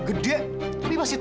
kayak anak idiot